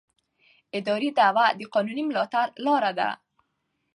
اداري دعوه د قانوني ملاتړ لاره ده.